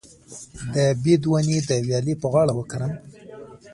د بید ونې د ویالې په غاړه وکرم؟